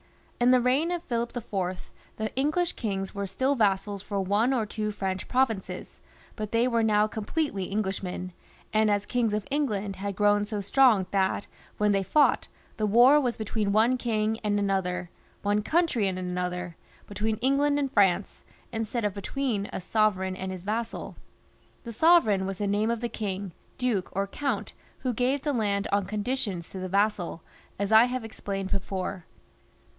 In the reign of Philip rV. the English kings were still vassals for one or two French provinces, but they were now completely English men, and as kings of England had grown so strong, that when they fought, the war was between one king and another, one country and another, between England and France, instead of between a sovereign and his vassal. The sovereign was the name of the king, duke, or count who gave the land on conditions to the vassal, as I have explained before.